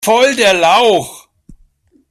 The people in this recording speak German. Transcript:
Voll der Lauch!